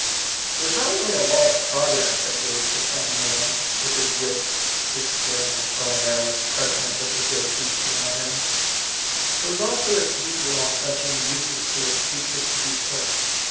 There was not only a law of progress that gave to tiny man, with his wits, his skill, THE PROPHECY. 7 and his bow and arrows, precedence over the great beasts around him. There was also a deep law touching the uses to which , creatures could be put.